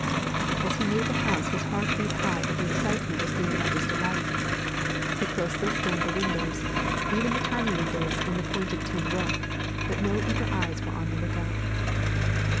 As he neared the house his heart beat high at the excitement of seeing Madge's delight. He closely scanned the windows, even the tiny windows in the pointed tin roof, but no eager eyes were on the look out.